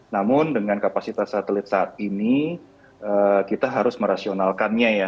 namun dengan kapasitas satelit saat ini kita harus merasionalkannya ya